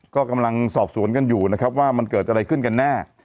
ก็กำลังสอบสวนกันอยู่นะครับว่ามันเกิดอะไรขึ้นกันแน่